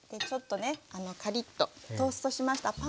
ちょっとねカリッとトーストしました